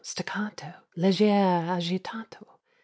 Staccato! Leggier agitato!